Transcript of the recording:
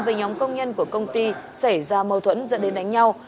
với nhóm công nhân của công ty xảy ra mâu thuẫn dẫn đến đánh nhau